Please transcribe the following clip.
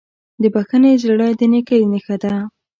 د بښنې زړه د نیکۍ نښه ده.